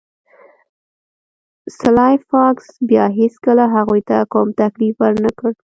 سلای فاکس بیا هیڅکله هغوی ته کوم تکلیف ورنکړ